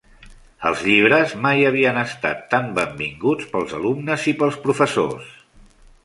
Els llibres mai havien estat tant benvinguts pels alumnes i pels professors.